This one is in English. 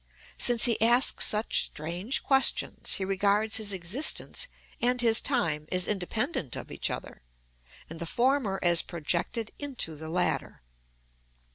Since he asks such strange questions, he regards his existence and his time as independent of each other, and the former as projected into the latter.